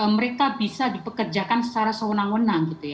mereka bisa dipekerjakan secara sewenang wenang